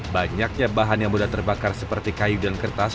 banyaknya bahan yang mudah terbakar seperti kayu dan kertas